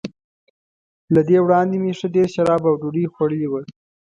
له دې وړاندي مې ښه ډېر شراب او ډوډۍ خوړلي وو.